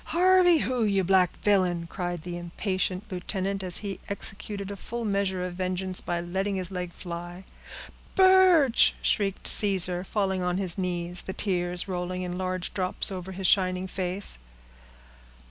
"Harvey who, you black villain?" cried the impatient lieutenant, as he executed a full measure of vengeance by letting his leg fly. "Birch!" shrieked Caesar, falling on his knees, the tears rolling in large drops over his shining face.